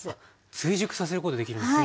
追熟させることできるんですね